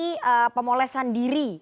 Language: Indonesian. untuk mengurangi pemolesan diri